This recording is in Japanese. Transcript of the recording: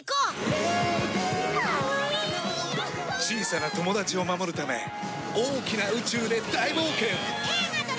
小さな友達を守るため大きな宇宙で大冒険！